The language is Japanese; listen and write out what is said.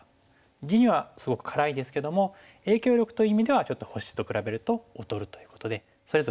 地にはすごく辛いですけども影響力という意味ではちょっと星と比べると劣るということでそれぞれ一長一短。